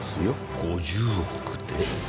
５０億で。